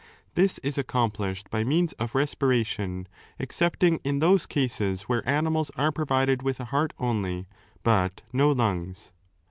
This is accomplished by means of respiration, excepting in those cases where animals are provided with a heart only but no lungs.